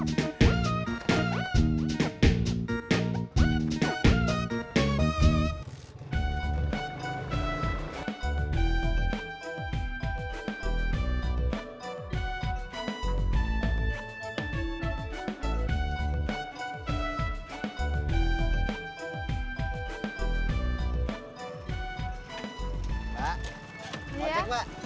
mbak mau ngajak mbak